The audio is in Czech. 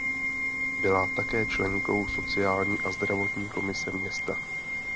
Byla také členkou sociální a zdravotní komise města.